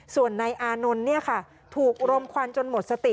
ส่วนนายอานนท์ถูกรมควันจนหมดสติ